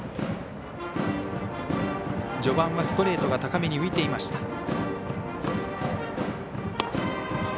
序盤はストレートが高めに浮いていました。